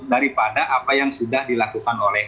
daripada apa yang sudah dilakukan oleh